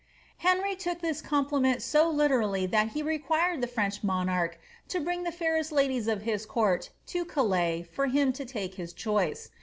'*' Henry took this compliment so literally that he required the French monarch to bring the fairest ladies of his court to Calais for him to take his choice.